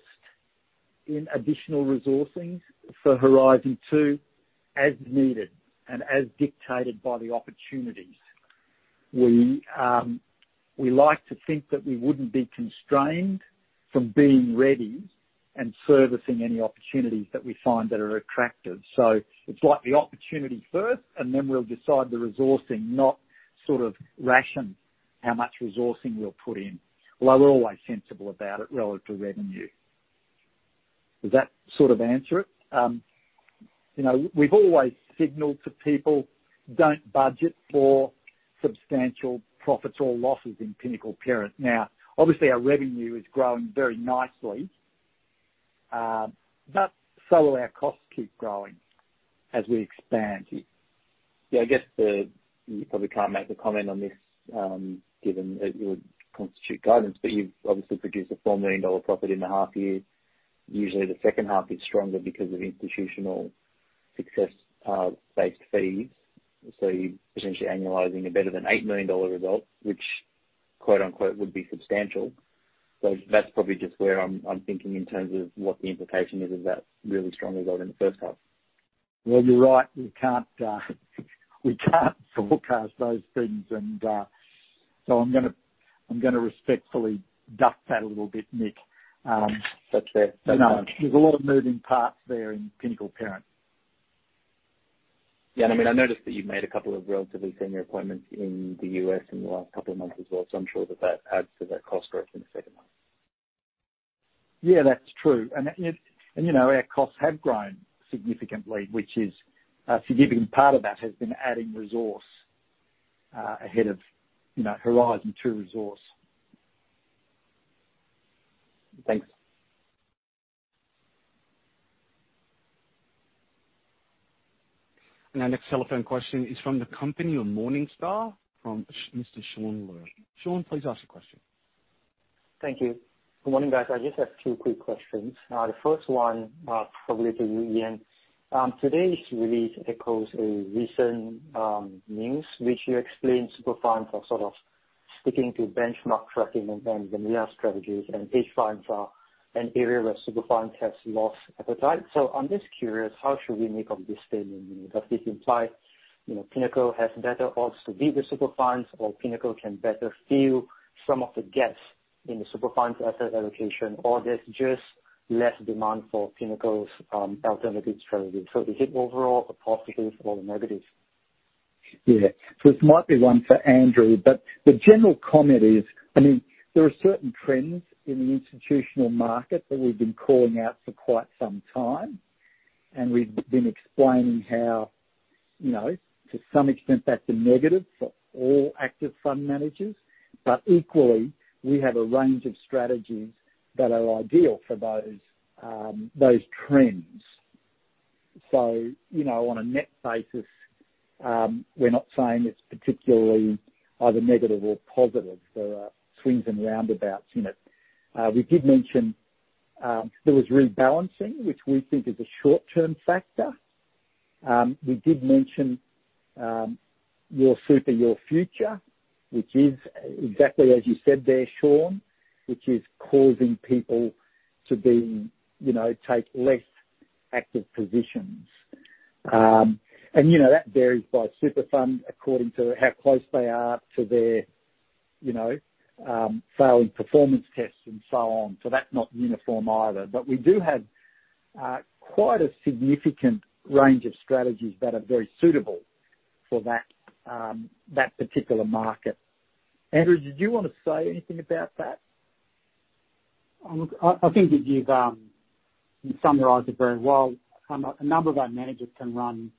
in additional resourcing for Horizon 2 as needed and as dictated by the opportunities. We like to think that we wouldn't be constrained from being ready and servicing any opportunities that we find that are attractive. It's like the opportunity first and then we'll decide the resourcing, not sort of ration how much resourcing we'll put in. Although we're always sensible about it relative to revenue. Does that sort of answer it? You know, we've always signaled to people, "Don't budget for substantial profits or losses in Pinnacle Parent." Now, obviously, our revenue is growing very nicely, but so will our costs keep growing as we expand. Yeah, I guess you probably can't make a comment on this, given it would constitute guidance, but you've obviously produced 4 million dollar profit in the half year. Usually, the second half is stronger because of institutional success-based fees. You're potentially annualizing a better than 8 million dollar result, which quote unquote would be substantial. That's probably just where I'm thinking in terms of what the implication is of that really strong result in the first half. Well, you're right, we can't forecast those things and so I'm gonna respectfully duck that a little bit, Nick. That's fair. You know, there's a lot of moving parts there in Pinnacle Parent. Yeah. I mean, I noticed that you've made a couple of relatively senior appointments in the U.S. in the last couple of months as well, so I'm sure that that adds to that cost growth in the second half. Yeah, that's true. You know, our costs have grown significantly, which is a significant part of that has been adding resource ahead of, you know, Horizon 2 resource. Thanks. Our next telephone question is from Shaun Ler of Morningstar. Shaun, please ask your question. Thank you. Good morning, guys. I just have two quick questions. The first one, probably to you, Ian. Today's release echoes a recent news, which you explained super funds are sort of sticking to benchmark tracking and vanilla strategies, and hedge funds are an area where super funds has lost appetite. I'm just curious, how should we make of this statement? Does this imply, you know, Pinnacle has better odds to beat the super funds or Pinnacle can better fill some of the gaps in the super fund's asset allocation or there's just less demand for Pinnacle's alternative strategies. So is it overall a positive or a negative? Yeah. This might be one for Andrew, but the general comment is, I mean, there are certain trends in the institutional market that we've been calling out for quite some time, and we've been explaining how, you know, to some extent, that's a negative for all active fund managers. Equally, we have a range of strategies that are ideal for those trends. You know, on a net basis, we're not saying it's particularly either negative or positive. There are swings and roundabouts in it. We did mention, there was rebalancing, which we think is a short-term factor. We did mention, Your Super, Your Future, which is exactly as you said there, Sean, which is causing people to be, you know, take less active positions. You know, that varies by super fund according to how close they are to their, you know, failing performance tests and so on. That's not uniform either. We do have quite a significant range of strategies that are very suitable for that particular market. Andrew, did you wanna say anything about that? Look, I think that you've summarized it very well. A number of our managers can run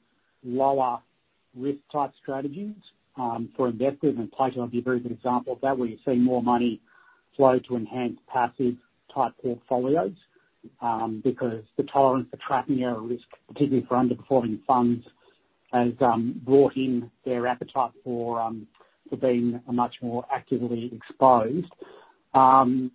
lower risk type strategies for investors, and Plato would be a very good example of that, where you're seeing more money flow to enhanced passive type portfolios because the tolerance for tracking error risk, particularly for underperforming funds, has brought in their appetite for being much more actively exposed. In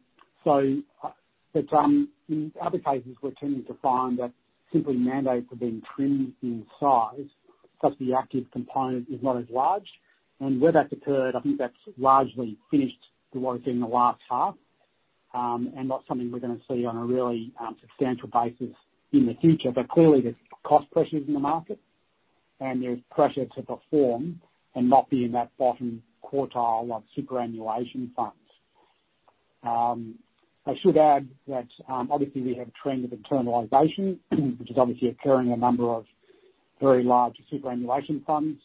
other cases, we're tending to find that simply mandates are being trimmed in size because the active component is not as large. Where that's occurred, I think that's largely finished what it did in the last half and not something we're gonna see on a really substantial basis in the future. Clearly there's cost pressures in the market and there's pressure to perform and not be in that bottom quartile of superannuation funds. I should add that, obviously we have a trend of internalization, which is obviously occurring in a number of very large superannuation funds.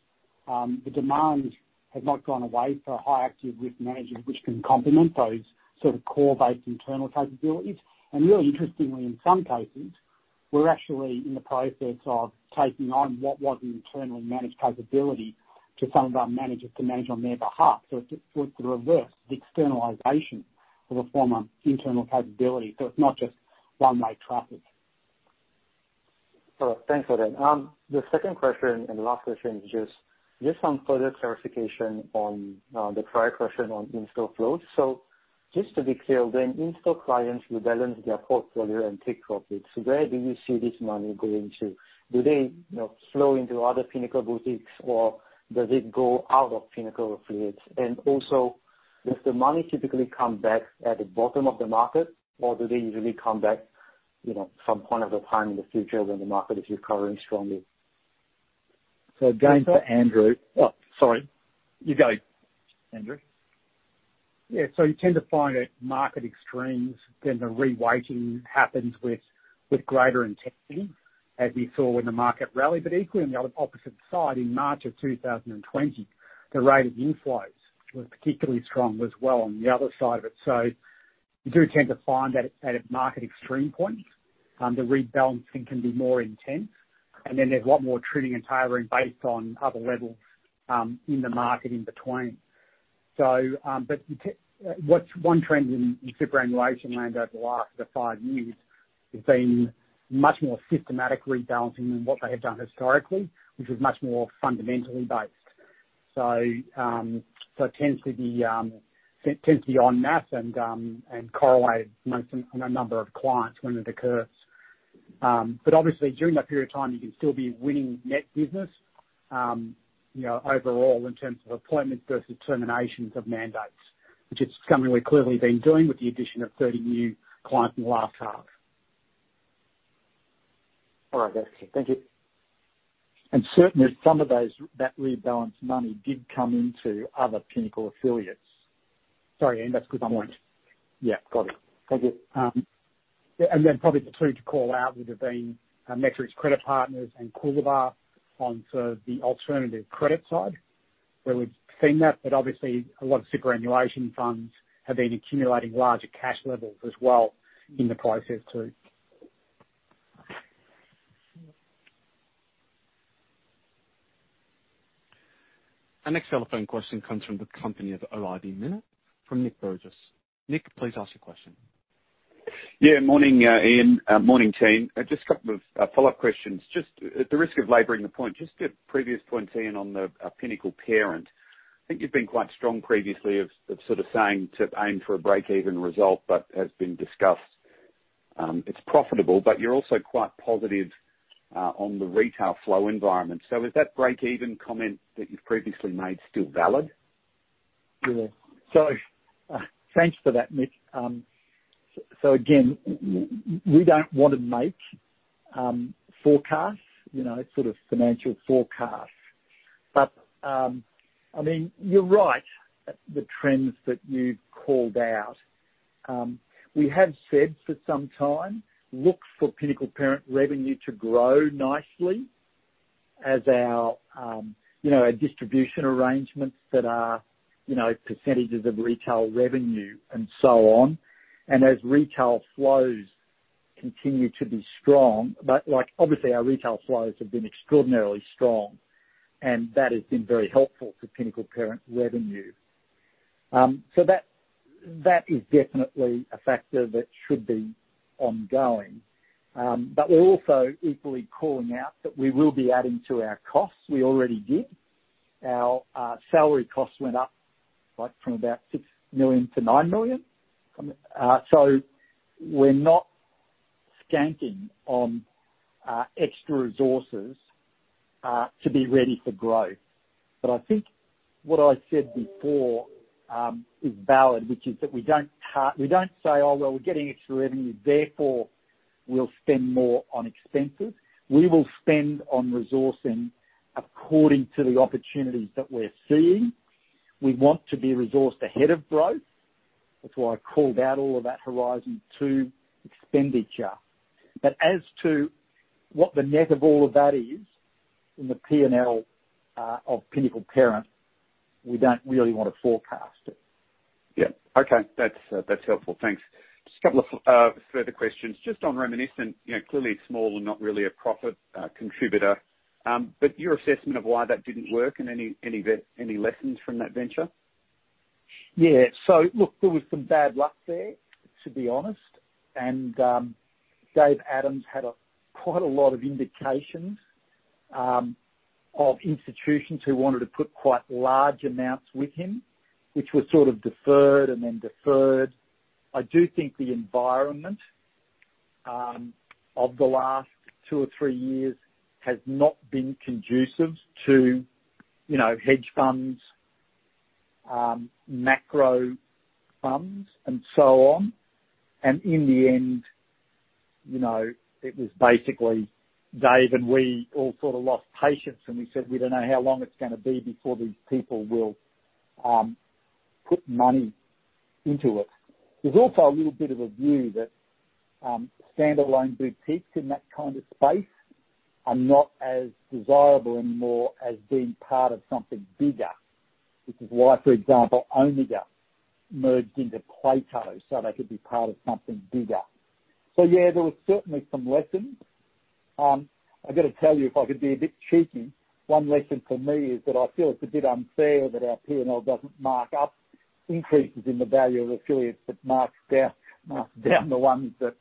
The demand has not gone away for high active risk managers, which can complement those sort of core-based internal capabilities. Really interestingly, in some cases, we're actually in the process of taking on what was an internally managed capability to some of our managers to manage on their behalf. It's the reverse, the externalization of a former internal capability. It's not just one-way traffic. Thanks for that. The second question and the last question is just some further clarification on the prior question on institutional flows. Just to be clear then, institutional clients rebalance their portfolio and take profits. Where do you see this money going to? Do they, you know, flow into other Pinnacle boutiques or does it go out of Pinnacle affiliates? And also, does the money typically come back at the bottom of the market or do they usually come back, you know, some point of the time in the future when the market is recovering strongly? Again, for Andrew. Oh, sorry. You go, Andrew. Yeah. You tend to find at market extremes, then the reweighting happens with greater intensity as we saw when the market rallied. Equally on the other opposite side, in March 2020, the rate of inflows was particularly strong as well on the other side of it. You do tend to find that at a market extreme point, the rebalancing can be more intense, and then there's a lot more trimming and tailoring based on other levels in the market in between. What's one trend in superannuation land over the last five years has been much more systematic rebalancing than what they have done historically, which was much more fundamentally based. It tends to be en masse and correlate among a number of clients when it occurs. Obviously during that period of time, you can still be winning net business, you know, overall in terms of appointments versus terminations of mandates, which is something we've clearly been doing with the addition of 30 new clients in the last half. All right. That's it. Thank you. Certainly some of those that rebalance money did come into other Pinnacle affiliates. Sorry, Ian, that's good point. Yeah. Got it. Thank you. Yeah, probably the two to call out would have been Metrics Credit Partners and Coolabah onto the alternative credit side where we've seen that. Obviously a lot of superannuation funds have been accumulating larger cash levels as well in the process, too. Our next telephone question comes from the company of Ord Minnett from Nick Burgess. Nick, please ask your question. Yeah. Morning, Ian. Morning, team. Just a couple of follow-up questions. Just at the risk of laboring the point, just to the previous point, Ian, on the Pinnacle parent, I think you've been quite strong previously on sort of saying to aim for a break-even result, but as has been discussed. It's profitable, but you're also quite positive on the retail flow environment. Is that break-even comment that you've previously made still valid? Yeah. Thanks for that, Nick. Again, we don't want to make forecasts, you know, sort of financial forecasts. But, I mean, you're right, the trends that you called out. We have said for some time, look for Pinnacle Parent revenue to grow nicely as our, you know, our distribution arrangements that are, you know, percentages of retail revenue and so on. As retail flows continue to be strong, but like, obviously, our retail flows have been extraordinarily strong, and that has been very helpful for Pinnacle Parent revenue. That is definitely a factor that should be ongoing. We're also equally calling out that we will be adding to our costs. We already did. Our salary costs went up, like, from about 6 million to 9 million. We're not skimping on extra resources to be ready for growth. I think what I said before is valid, which is that we don't say, "Oh, well, we're getting extra revenue, therefore we'll spend more on expenses." We will spend on resourcing according to the opportunities that we're seeing. We want to be resourced ahead of growth. That's why I called out all of that Horizon 2 expenditure. As to what the net of all of that is in the P&L of Pinnacle Parent, we don't really wanna forecast it. Yeah. Okay. That's helpful. Thanks. Just a couple of further questions. Just on Reminiscent, you know, clearly small and not really a profit contributor, but your assessment of why that didn't work and any lessons from that venture? Yeah. Look, there was some bad luck there, to be honest. Dave Adams had quite a lot of indications of institutions who wanted to put quite large amounts with him, which were sort of deferred and then deferred. I do think the environment of the last two or three years has not been conducive to, you know, hedge funds, macro funds and so on. In the end, you know, it was basically Dave and we all sort of lost patience and we said, "We don't know how long it's gonna be before these people will put money into it." There's also a little bit of a view that standalone boutiques in that kind of space are not as desirable anymore as being part of something bigger, which is why, for example, Omega merged into Plato, so they could be part of something bigger. Yeah, there was certainly some lessons. I've got to tell you, if I could be a bit cheeky, one lesson for me is that I feel it's a bit unfair that our P&L doesn't mark up increases in the value of affiliates, but marks down the ones that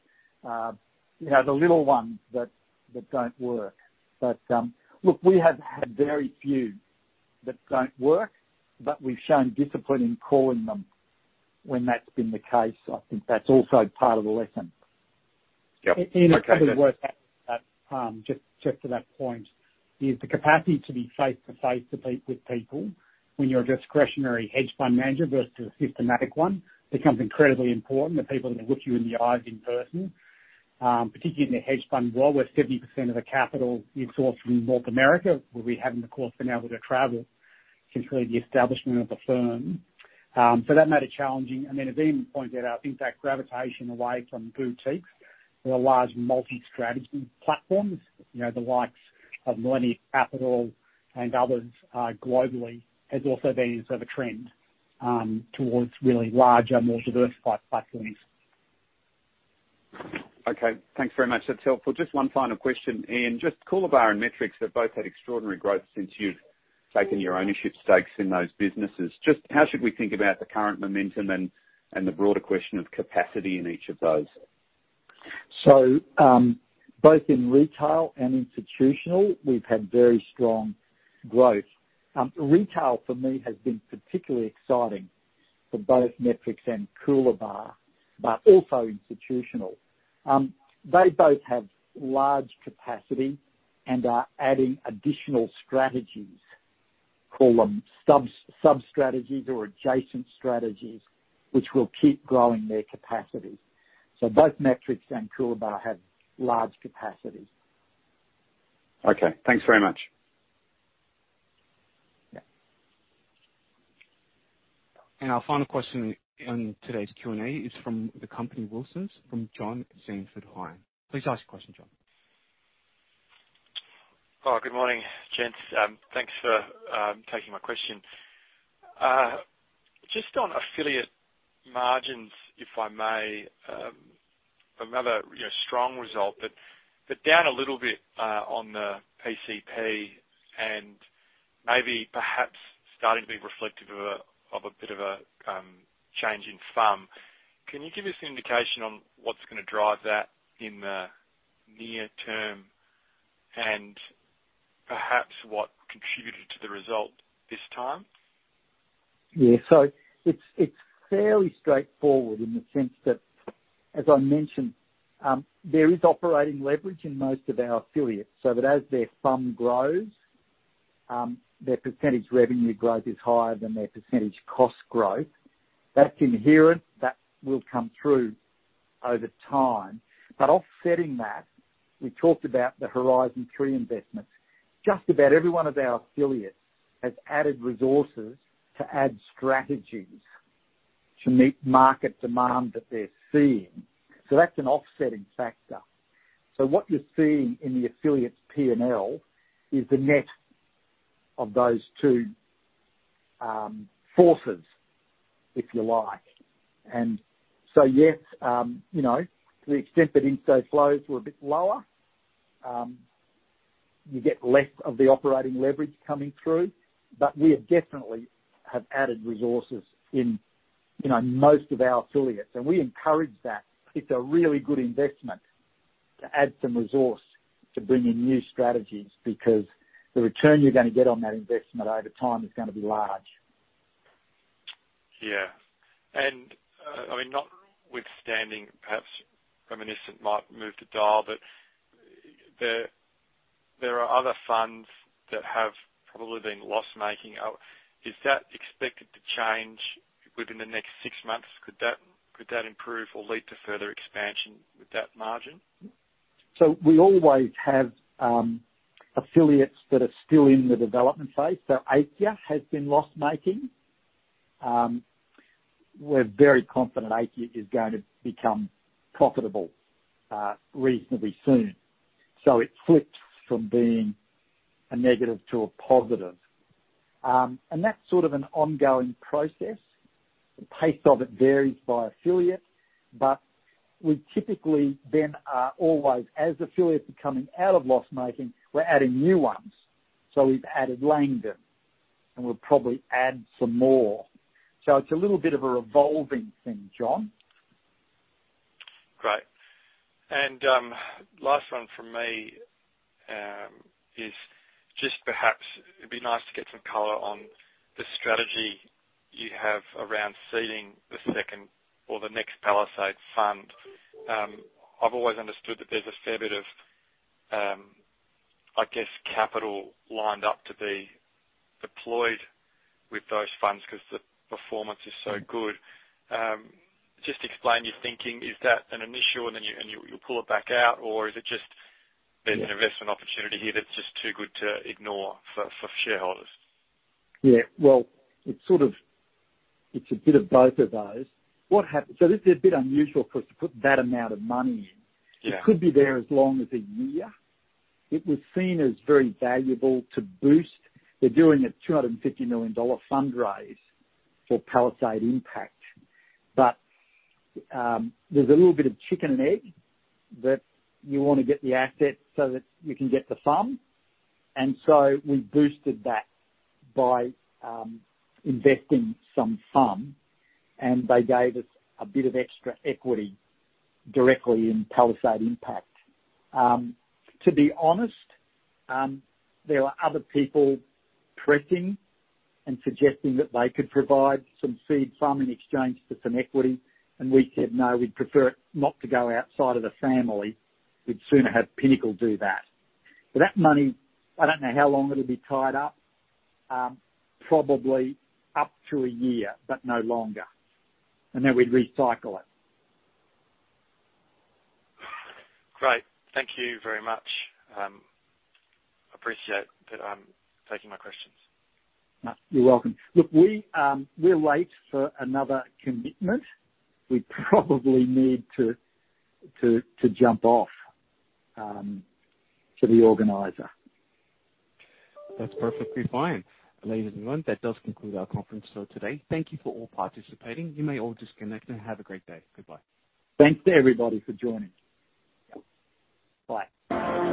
you know, the little ones that don't work. Look, we have had very few that don't work, but we've shown discipline in calling them when that's been the case. I think that's also part of the lesson. Yep. Okay. It's probably worth noting that, just to that point, the capacity to be face to face with people when you're a discretionary hedge fund manager versus a systematic one becomes incredibly important. The people that look you in the eyes in person, particularly in the hedge fund world, where 70% of the capital is sourced from North America, where we haven't, of course, been able to travel since really the establishment of the firm. So that made it challenging. Then as Ian pointed out, I think that gravitation away from boutiques or large multi-strategy platforms, you know, the likes of Millennium Management and others, globally, has also been sort of a trend, towards really larger, more diversified platforms. Okay. Thanks very much. That's helpful. Just one final question. Ian, just Coolabah and Metrics have both had extraordinary growth since you've taken your ownership stakes in those businesses. Just how should we think about the current momentum and the broader question of capacity in each of those? Both in retail and institutional, we've had very strong growth. Retail for me has been particularly exciting for both Metrics and Coolabah, but also institutional. They both have large capacity and are adding additional strategies, call them sub-sub-strategies or adjacent strategies, which will keep growing their capacity. Both Metrics and Coolabah have large capacities. Okay. Thanks very much. Yeah. Our final question in today's Q&A is from the company WILSONS, from John Hynd. Please ask the question, John. Oh, good morning, gents. Thanks for taking my question. Just on affiliate margins, if I may, another, you know, strong result, but down a little bit on the PCP and maybe perhaps starting to be reflective of a bit of a change in FUM. Can you give us an indication on what's gonna drive that in the near term and perhaps what contributed to the result this time? Yeah. It's fairly straightforward in the sense that, as I mentioned, there is operating leverage in most of our affiliates, so that as their FUM grows, their percentage revenue growth is higher than their percentage cost growth. That's inherent. That will come through over time. Offsetting that, we talked about the Horizon 3 investments. Just about every one of our affiliates has added resources to add strategies to meet market demand that they're seeing. That's an offsetting factor. What you're seeing in the affiliates P&L is the net of those two forces, if you like. Yes, you know, to the extent that inflows were a bit lower, you get less of the operating leverage coming through. We definitely have added resources in, you know, most of our affiliates, and we encourage that. It's a really good investment to add some resource to bring in new strategies, because the return you're gonna get on that investment over time is gonna be large. Yeah. I mean, notwithstanding, perhaps Reminiscent might move the dial, but there are other funds that have probably been loss-making. Is that expected to change within the next six months? Could that improve or lead to further expansion with that margin? We always have affiliates that are still in the development phase. Aikya has been loss-making. We're very confident Aikya is going to become profitable reasonably soon. It flips from being a negative to a positive. That's sort of an ongoing process. The pace of it varies by affiliate, but we typically then are always, as affiliates are coming out of loss-making, we're adding new ones. We've added Langdon, and we'll probably add some more. It's a little bit of a revolving thing, John. Great. Last one from me is just perhaps it'd be nice to get some color on the strategy you have around seeding the second or the next Palisade fund. I've always understood that there's a fair bit of, I guess, capital lined up to be deployed with those funds because the performance is so good. Just explain your thinking. Is that an initial and then you pull it back out, or is it just an investment opportunity here that's just too good to ignore for shareholders? Yeah. Well, it's sort of, it's a bit of both of those. What happened? This is a bit unusual for us to put that amount of money in. Yeah. It could be there as long as a year. It was seen as very valuable to boost. They're doing a 250 million dollar fund raise for Palisade Impact. There's a little bit of chicken and egg that you wanna get the assets so that you can get the sum. We boosted that by investing some sum, and they gave us a bit of extra equity directly in Palisade Impact. To be honest, there were other people pressing and suggesting that they could provide some seed sum in exchange for some equity, and we said, "No, we'd prefer it not to go outside of the family. We'd sooner have Pinnacle do that." That money, I don't know how long it'll be tied up. Probably up to a year, but no longer. We'd recycle it. Great. Thank you very much. I appreciate that, taking my questions. You're welcome. Look, we're late for another commitment. We probably need to jump off, to the organizer. That's perfectly fine. Ladies and gentlemen, that does conclude our conference call today. Thank you for all participating. You may all disconnect and have a great day. Goodbye. Thanks to everybody for joining.